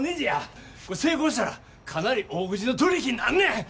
成功したらかなり大口の取り引きになんねん。